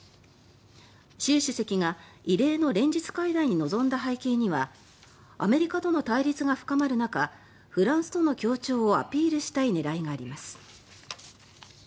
習主席が異例の連日会談に臨んだ背景にはアメリカとの対立が深まる中フランスとの協調をアピールしたい狙いがあります。